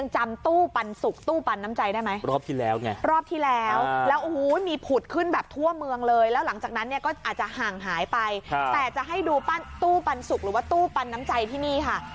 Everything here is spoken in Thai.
ให้ดูปั้นตู้ปันสุกหรือว่าตู้ปันน้ำใจที่นี่ค่ะ